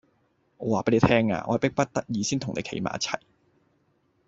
我話俾你聽啊，我係逼不得已先同你企埋一齊